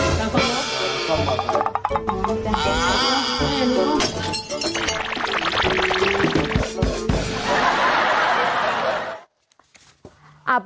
ต้องลองมา